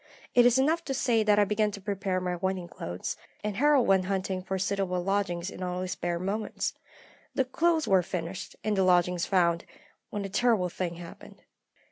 It is enough to say that I began to prepare my wedding clothes, and Harold went hunting for suitable lodgings in all his spare moments. The clothes were finished, and the lodgings found, when a terrible thing happened.